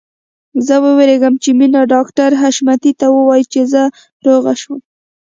زه وېرېږم چې مينه ډاکټر حشمتي ته ووايي چې زه روغه شوم